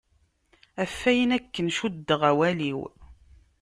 Ɣef ayen aken cuddeɣ awal-iw.